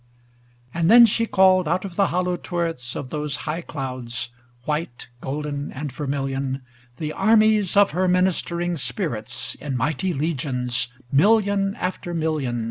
LII And then she called out of the hollow tur rets Of those high clouds, white, golden and vermilion. The armies of her ministering spirits; In mighty legions, million after million.